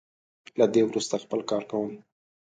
له دې وروسته خپل کار کوم.